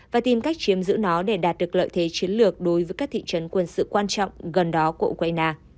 và tìm cách chiếm giữ nó để đạt được lợi thế chiến lược đối với các thị trấn quân sự quan trọng gần đó của ukraine